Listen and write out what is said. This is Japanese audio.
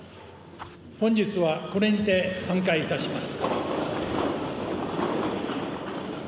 本日はこれにて散会いたします。